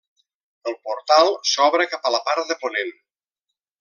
El portal s'obre cap a la part de ponent.